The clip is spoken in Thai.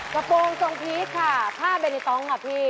กระโปรงทรงพีชค่ะผ้าเบนิต้องค่ะพี่